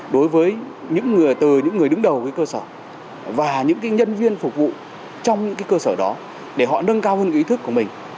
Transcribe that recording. đối với những người từ những người đứng đầu với cơ sở và những nhân viên phục vụ trong những cơ sở đó để họ nâng cao hơn ý thức của mình